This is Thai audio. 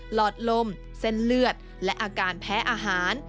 หลอดลมเส้นเลือดและอาการแพ้อาหาร